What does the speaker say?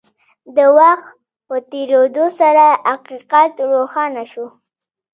د وخت په تېرېدو سره حقيقت روښانه شو.